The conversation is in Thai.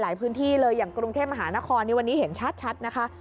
พื้นที่เลยอย่างกรุงเทพมหานครวันนี้เห็นชัดนะคะ